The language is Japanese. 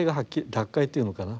脱会というのかな